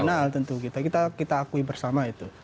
final tentu kita akui bersama itu